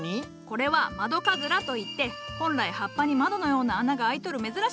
これは窓かずらといって本来葉っぱに窓のような穴が開いとる珍しい観葉植物じゃ。